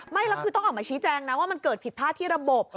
ไม่แล้วคือต้องออกมาชี้แจงนะว่ามันเกิดผิดพลาดที่ระบบ